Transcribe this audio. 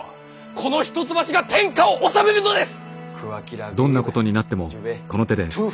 この一橋が天下を治めるのです！